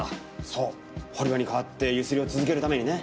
そう堀場に代わって強請りを続けるためにね。